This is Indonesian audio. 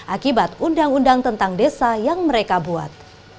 akibat undang undang tentang desa yang mereka buat